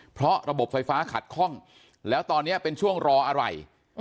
เพราะระบบไฟฟ้าขัดคล่องแล้วตอนนี้เป็นช่วงรออะไร